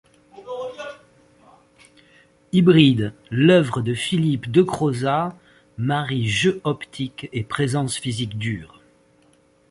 Hybride, l’œuvre de Philippe Decrauzat marie jeu optique et présence physique dure.